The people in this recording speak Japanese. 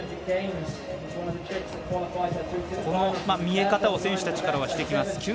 この見え方を選手たちからはしてきます。